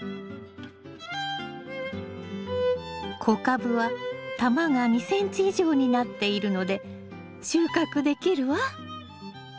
小カブは球が２ｃｍ以上になっているので収穫できるわ。